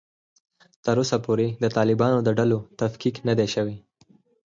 تر اوسه پورې د طالبانو د ډلو تفکیک نه دی شوی